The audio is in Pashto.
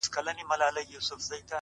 ما خو دا ټوله شپه؛